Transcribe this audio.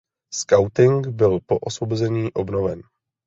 Skauting byl po osvobození obnoven.